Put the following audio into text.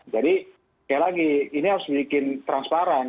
jadi sekali lagi ini harus dibikin transparan